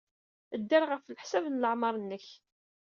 Dder ɣef leḥsab n leɛmeṛ-nnek.